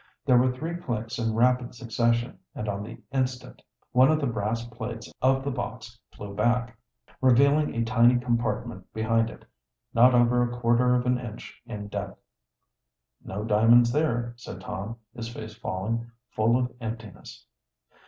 There were three clicks in rapid succession, and on the instant one of the brass plates of the box flew back, revealing a tiny compartment behind it, not over a quarter of an inch in depth. "No diamonds there," said Tom, his face falling. "Full of emptiness."